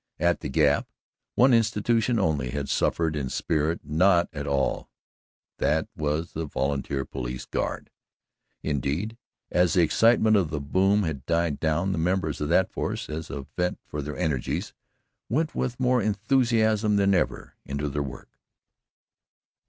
At the Gap, one institution only had suffered in spirit not at all and that was the Volunteer Police Guard. Indeed, as the excitement of the boom had died down, the members of that force, as a vent for their energies, went with more enthusiasm than ever into their work.